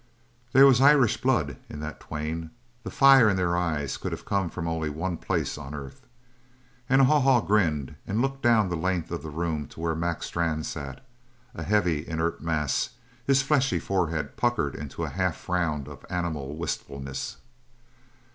There was Irish blood in that twain; the fire in their eyes could have come from only one place on earth. And Haw Haw grinned and looked down the length of the room to where Mac Strann sat, a heavy, inert mass, his fleshy forehead puckered into a half frown of animal wistfulness.